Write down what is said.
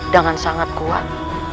dengan sangat kuat